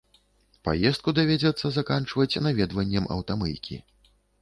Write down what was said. Паездку давядзецца заканчваць наведваннем аўтамыйкі.